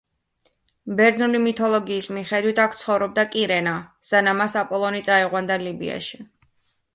ბერძნული მითოლოგიის მიხედვით აქ ცხოვრობდა კირენა, სანამ მას აპოლონი წაიყვანდა ლიბიაში.